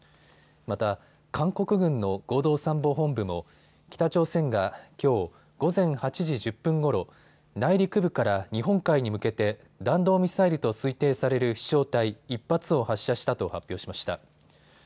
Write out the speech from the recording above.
また韓国軍の合同参謀本部も北朝鮮がきょう午前８時１０分ごろ、内陸部から日本海に向けて弾道ミサイルと推定される飛しょう体、１発を発射したと発表しました。